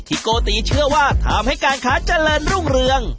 โกติเชื่อว่าทำให้การค้าเจริญรุ่งเรือง